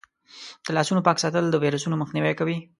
د لاسونو پاک ساتل د ویروسونو مخنیوی کوي.